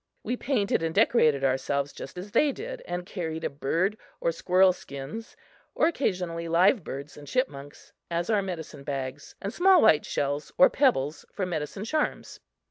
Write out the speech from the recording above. We painted and decorated ourselves just as they did and carried bird or squirrel skins, or occasionally live birds and chipmunks as our medicine bags and small white shells or pebbles for medicine charms.